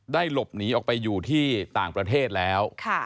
หลบหนีออกไปอยู่ที่ต่างประเทศแล้ว